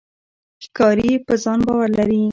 ښکاري په ځان باور لري.